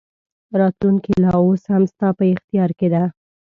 راتلونکې لا اوس هم ستا په اختیار کې ده.